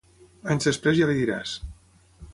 Anys després ja la diràs.